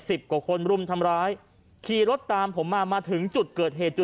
กว่าคนรุมทำร้ายขี่รถตามผมมามาถึงจุดเกิดเหตุจุด